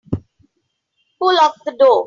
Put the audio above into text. Who locked the door?